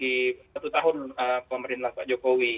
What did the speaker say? di satu tahun pemerintah pak jokowi